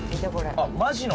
あっマジの？